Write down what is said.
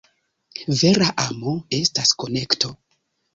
Vera amo estas konekto.